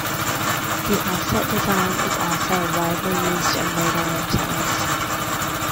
The offset design is also widely used in radar antennas.